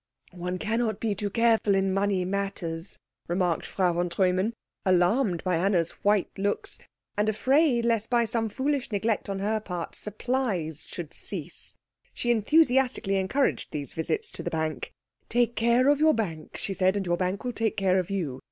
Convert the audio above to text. "One cannot be too careful in money matters," remarked Frau von Treumann, alarmed by Anna's white looks, and afraid lest by some foolish neglect on her part supplies should cease. She enthusiastically encouraged these visits to the bank. "Take care of your bank," she said, "and your bank will take care of you.